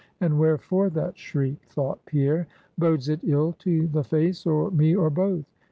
And wherefore that shriek? thought Pierre. Bodes it ill to the face, or me, or both?